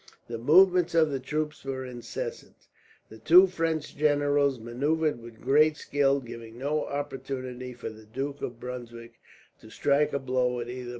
The movements of the troops were incessant. The two French generals manoeuvred with great skill, giving no opportunity for the Duke of Brunswick to strike a blow at either.